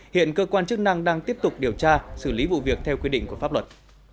hiện cơ quan chức năng đang tiếp tục điều tra xử lý vụ việc theo quy định của pháp luật